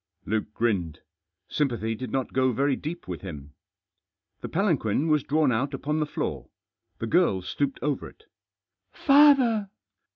Luke grinned. Sympathy did not go very deep with him. The palanquin was drawn out upon the floor. The girl stooped over it. "Father!"